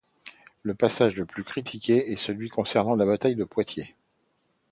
Le passage le plus critiqué est celui concernant la bataille de Poitiers.